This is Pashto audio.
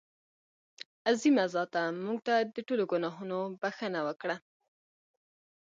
عظیمه ذاته مونږ ته د ټولو ګناهونو بښنه وکړه.